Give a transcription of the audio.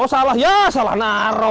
oh salah ya salah naruh